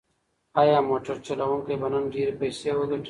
ایا موټر چلونکی به نن ډېرې پیسې وګټي؟